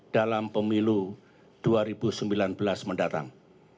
dalam pemilu dua ribu sembilan belas mendatang